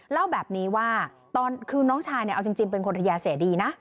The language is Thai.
เล่าแบบนี้ว่าคือน้องชายเอาจริงเป็นคนทะเยาะแสดีนะ